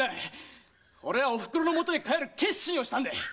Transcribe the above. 俺はおふくろの元へ帰る決心をしたんでい！